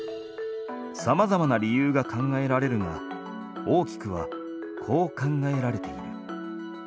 さまざまな理由が考えられるが大きくはこう考えられている。